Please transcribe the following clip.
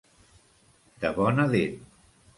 De bona dent.